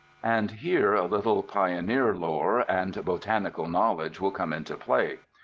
And here a little pioneer lore 282 CAMP COOKERY and botanical knowledge will come into play.